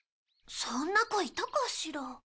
そんな子いたかしら？